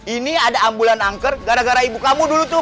ini ada ambulan angker gara gara ibu kamu dulu tuh